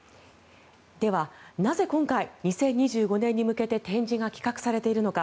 では、なぜ今回２０２５年に向けて展示が企画されているのか。